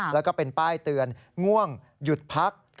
แล้วก็เป็นป้ายเตือนง่วงหยุดพัก